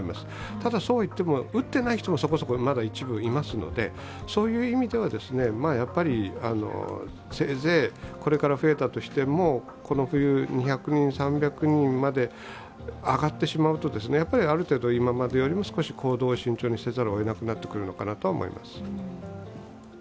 ただそうはいっても打っていない人もそこそこまだ一部いますのでそういう意味では、せいぜいこれから増えたとしてもこの冬２００人、３００人まで上がってしまうと、やはりある程度、今までよりも少し行動を慎重にせざるをえなくなってくると思います。